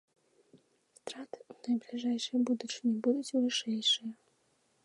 Страты ў найбліжэйшай будучыні будуць вышэйшыя.